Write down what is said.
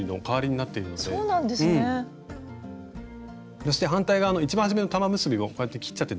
そして反対側の一番はじめの玉結びをこうやって切っちゃって大丈夫です。